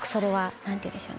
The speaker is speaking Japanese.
何ていうんでしょうね。